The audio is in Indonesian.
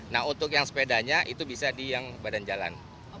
nah untuk yang sepedanya itu bisa di yang badan jalan